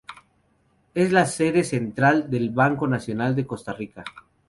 Es la sede central del Banco Nacional de Costa Rica.